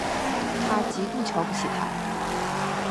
她极度瞧不起他